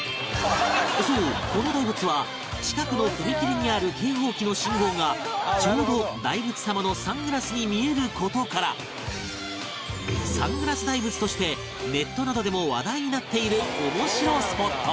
そうこの大仏は近くの踏切にある警報機の信号がちょうど大仏様のサングラスに見える事からサングラス大仏としてネットなどでも話題になっている面白スポット